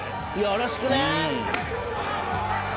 よろしくな！